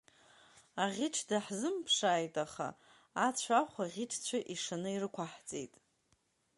Аӷьыч даҳзымԥшааит, аха ацә ахә аӷьычцәа ишаны ирықәаҳҵеит…